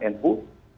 dengan membesarkan nu